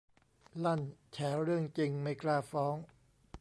ลั่นแฉเรื่องจริงไม่กล้าฟ้อง